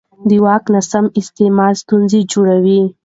د واک ناسم استعمال ستونزې جوړوي